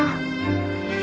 yang selalu maata